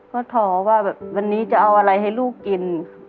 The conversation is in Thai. ก็ท้อว่าแบบวันนี้จะเอาอะไรให้ลูกกิน